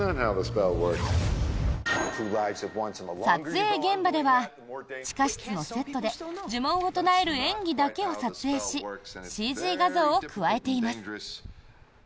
撮影現場では、地下室のセットで呪文を唱える演技だけを撮影しＣＧ画像を加えています。